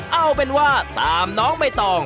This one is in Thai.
เอาเป็นว่าตามน้องใบตอง